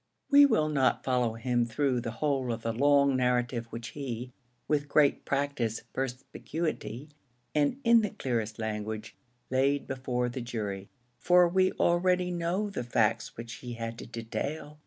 We will not follow him through the whole of the long narrative which he, with great practised perspicuity, and in the clearest language, laid before the jury, for we already know the facts which he had to detail.